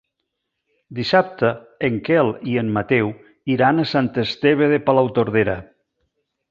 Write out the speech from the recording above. Dissabte en Quel i en Mateu iran a Sant Esteve de Palautordera.